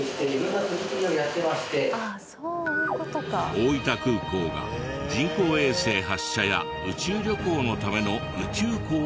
大分空港が人工衛星発射や宇宙旅行のための宇宙港を目指しているそうで。